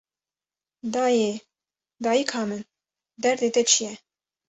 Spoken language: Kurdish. Dayê, dayika min, derdê te çi ye